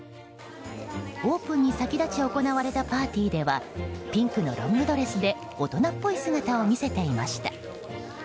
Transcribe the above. オープンに先立ち行われたパーティーではピンクのロングドレスで大人っぽい姿を見せていました。